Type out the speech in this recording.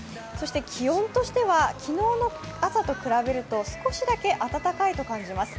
気温としては、昨日の朝と比べると少しだけ暖かいと感じます。